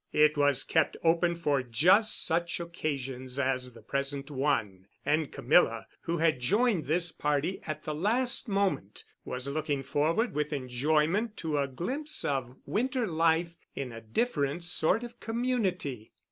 It was kept open for just such occasions as the present one, and Camilla, who had joined this party at the last moment, was looking forward with enjoyment to a glimpse of winter life in a different sort of community.